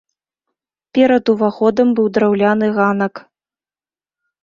Перад уваходам быў драўляны ганак.